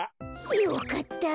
よかった。